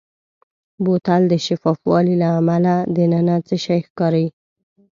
بوتل د شفاف والي له امله دننه څه شی ښکاري.